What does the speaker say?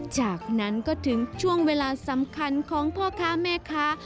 จากนั้นก็ถึงช่วงเวลาสำคัญของพ่อค้าแม่ค้า